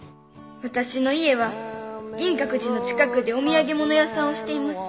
「私の家は銀閣寺の近くでお土産物屋さんをしています」